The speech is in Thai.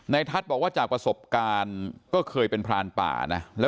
ทัศน์บอกว่าจากประสบการณ์ก็เคยเป็นพรานป่านะ